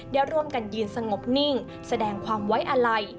ได้ร่วมกันยืนสงบนิ่งแสดงความไว้อาลัย